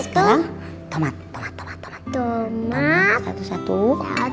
yaa tuh whats up